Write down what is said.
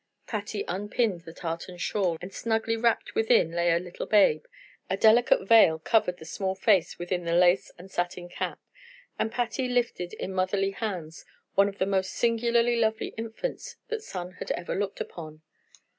Patty unpinned the tartan shawl, and snugly wrapped within lay a little babe; a delicate veil covered the small face within the lace and satin cap, and Patty lifted in motherly hands one of the most singularly lovely infants that sun had ever looked upon.